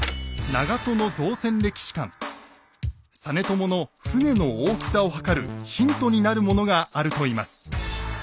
実朝の船の大きさを測るヒントになるものがあるといいます。